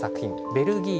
ベルギー